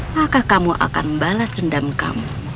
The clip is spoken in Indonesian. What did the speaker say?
maka kamu akan balas dendam kamu